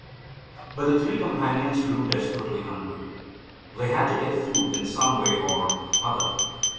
But the Three Companions grew desperately hungry. They had to get food in some way or other.